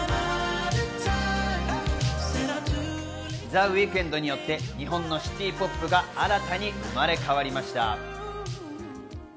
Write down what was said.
ザ・ウィークエンドによって日本のシティ・ポップが新たに生まれ変わりました。